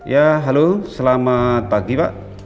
ya halo selamat pagi pak